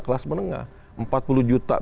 kelas menengah empat puluh juta